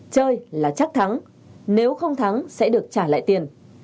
chơi là chắc thắng nếu không thắng sẽ được trả lại tiền